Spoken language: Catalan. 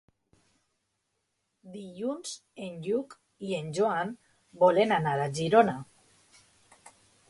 Dilluns en Lluc i en Joan volen anar a Girona.